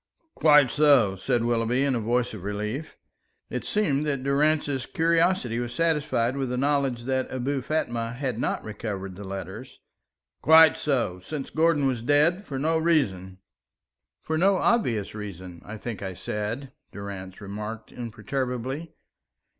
"Quite so," said Willoughby, in a voice of relief. It seemed that Durrance's curiosity was satisfied with the knowledge that Abou Fatma had not recovered the letters. "Quite so. Since Gordon was dead, for no reason." "For no obvious reason, I think I said," Durrance remarked imperturbably.